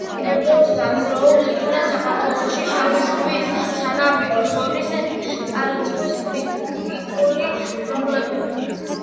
კერძოდ, დაძლეულ იქნა საქართველოს შავი ზღვის სანაპირო ზონის წარეცხვის კრიტიკული პრობლემები.